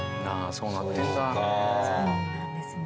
そうなんですね。